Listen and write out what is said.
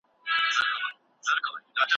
که ماشوم ته ارزښت ورکړو، نو هغه نه یواځې کیږي.